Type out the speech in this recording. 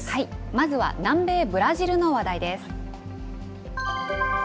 まずは南米ブラジルの話題です。